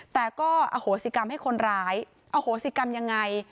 แต่ก็อโหสิกรรมให้คนร้ายอโหสิกรรมยังไง